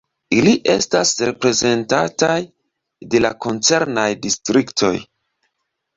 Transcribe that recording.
Ili estas reprezentataj de la koncernaj distriktoj.